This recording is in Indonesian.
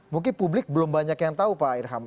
mungkin publik belum banyak yang tahu pak irham